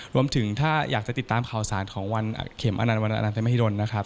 รวมถึงถ้าอยากติดตามข่าวสารของวันเข็มวันอนันต์ธรรมฮิดลนะครับ